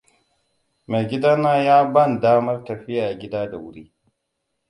Maigidana ya ban damar tafiya gida da wuri.